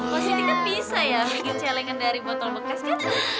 positif kan bisa ya bikin celengan dari botol bekas gitu